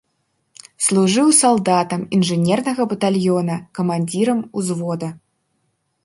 Служыў салдатам інжынернага батальёна, камандзірам узвода.